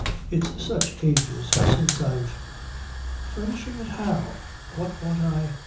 It's such ages since I've Furnishing it how? What ought I